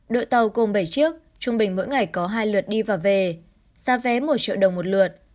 đội tàu gồm bảy chiếc trung bình mỗi ngày có hai lượt đi và về giá vé một triệu đồng một lượt